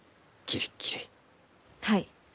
はい。